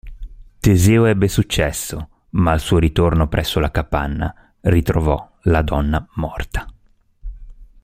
Teseo ebbe successo ma, al suo ritorno presso la capanna, ritrovò la donna morta.